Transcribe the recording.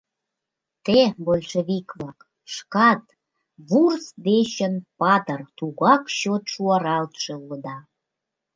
Те, большевик-влак, шкат вурс дечын патыр, тугак чот шуаралтше улыда.